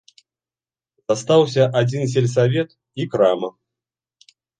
Застаўся адзін сельсавет і крама.